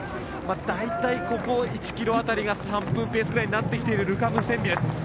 大体、１ｋｍ当たりが３分ペースになってきているルカ・ムセンビです。